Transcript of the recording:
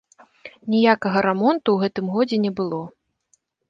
Ніякага рамонту ў гэтым годзе не было.